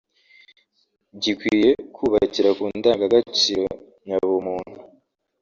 gikwiye kubakira ku ndangagaciro nyabumuntu”